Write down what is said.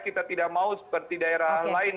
kita tidak mau seperti daerah lain